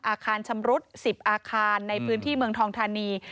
อาคารชำรุด๑๐อาคารในพื้นที่เมืองทองธานี